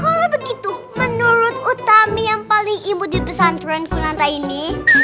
kalau begitu menurut utami yang paling imut di pesantren kulantai ini